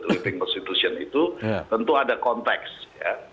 dating constitution itu tentu ada konteks ya